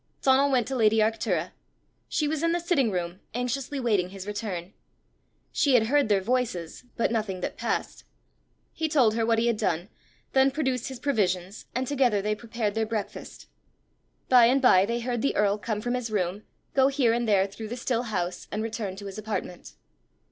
Donal went to lady Arctura. She was in the sitting room, anxiously waiting his return. She had heard their voices, but nothing that passed. He told her what he had done; then produced his provisions, and together they prepared their breakfast. By and by they heard the earl come from his room, go here and there through the still house, and return to his apartment.